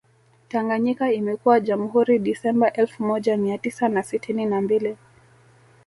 Tanganyika imekuwa Jamhuri Disemba elfu moja Mia tisa na sitini na mbili